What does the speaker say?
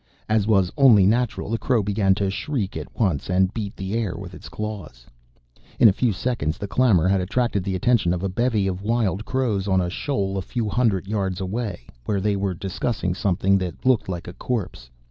As was only natural, the crow began to shriek at once and beat the air with its claws. In a few seconds the clamor had attracted the attention of a bevy of wild crows on a shoal a few hundred yards away, where they were discussing something that looked like a corpse.